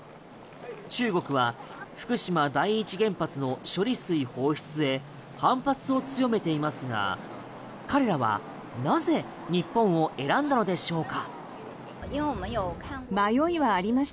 中国は福島第一原発の処理水放出へ反発を強めていますが彼らはなぜ日本を選んだのでしょうか？